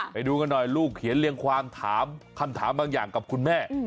ไปดูกันหน่อยลูกเขียนเรียงความถามคำถามบางอย่างกับคุณแม่